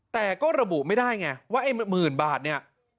แต่ก็ระบุไม่ได้ไงว่าไอ้หมื่นบาทเนี่ย